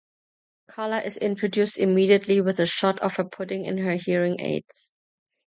Carla is introduced immediately with a shot of her putting in her hearing aids.